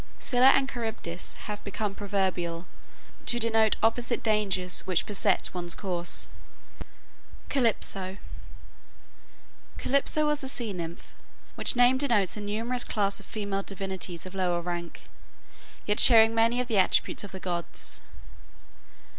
Scylla and Charybdis have become proverbial, to denote opposite dangers which beset one's course. See Proverbial Expressions. CALYPSO Calypso was a sea nymph, which name denotes a numerous class of female divinities of lower rank, yet sharing many of the attributes of the gods.